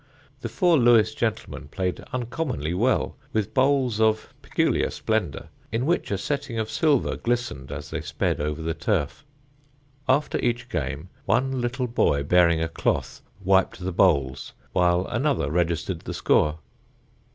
The four Lewes gentlemen played uncommonly well, with bowls of peculiar splendour in which a setting of silver glistened as they sped over the turf. After each game one little boy bearing a cloth wiped the bowls while another registered the score.